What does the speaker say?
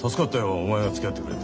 お前がつきあってくれて。